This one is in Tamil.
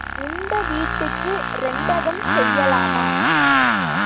உண்ட வீட்டுக்கு இரண்டகம் செய்யலாமா?